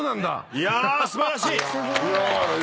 いや素晴らしい！